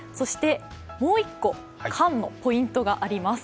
もう１個、カンのポイントがあります。